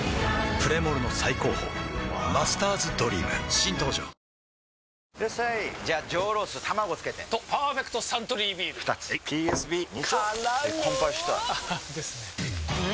プレモルの最高峰「マスターズドリーム」新登場ワオいらっしゃいじゃあ上ロース卵つけてと「パーフェクトサントリービール」２つはいＰＳＢ２丁！！からの乾杯したいですよねう！